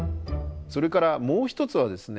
それからもう一つはですね